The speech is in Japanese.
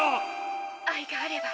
愛があれば。